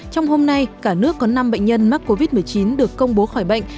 trong hôm nay cả nước có năm bệnh nhân mắc covid một mươi chín được công bố khỏi bệnh